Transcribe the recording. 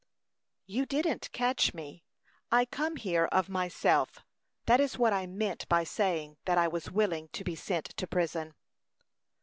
"You didn't catch me. I come here of myself; that is what I meant by saying that I was willing to be sent to prison."